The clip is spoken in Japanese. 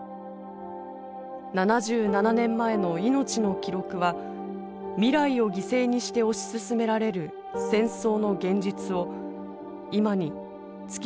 ７７年前の命の記録は未来を犠牲にして推し進められる戦争の現実を今に突きつけています。